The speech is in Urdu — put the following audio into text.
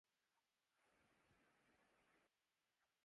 وہ نہیں ملی ہم کو ہک بٹن سرکتی جین